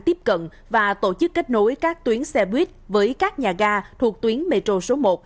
tiếp cận và tổ chức kết nối các tuyến xe buýt với các nhà ga thuộc tuyến metro số một